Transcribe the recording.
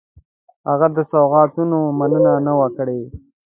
هغه د سوغاتونو مننه نه وه کړې.